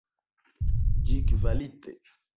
Ĝi kvalite.